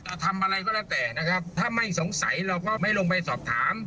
ทำอะไรก็แล้วแต่นะครับถ้าไม่สงสัยเราก็ไม่ลงไปสอบถาม